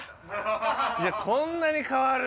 いやこんなに変わる？